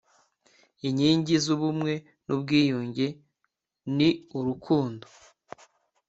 inkingi z’ubumwe n’ubwiyunge ni urukundo